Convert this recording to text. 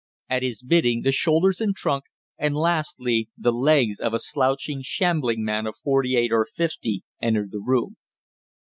At his bidding the shoulders and trunk, and lastly the legs of a slouching shambling man of forty eight or fifty entered the room.